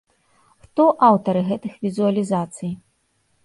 Хто аўтары гэтых візуалізацый?